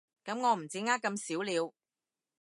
噉我唔止呃咁少了